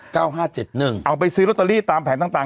เก้าห้าเจ็ดหนึ่งเอาไปซื้อลอตเตอรี่ตามแผนต่างต่าง